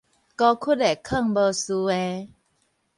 孤 𣮈 的勸無嗣的